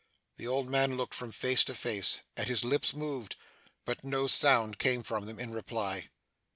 The old man looked from face to face, and his lips moved; but no sound came from them in reply.